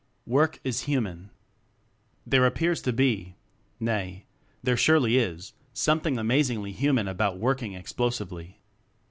... Work Is Human. There appears to be, nay, there surely is, something amazingly hu manly human about working explo sively.